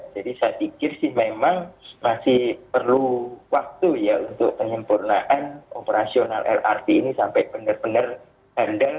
jadi saya pikir sih memang masih perlu waktu ya untuk penyempurnaan operasional lrt ini sampai benar benar handal